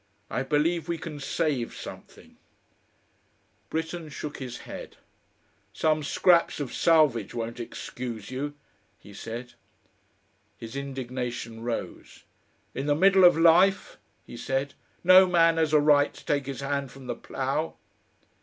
"I believe we can save something " Britten shook his head. "Some scraps of salvage won't excuse you," he said. His indignation rose. "In the middle of life!" he said. "No man has a right to take his hand from the plough!"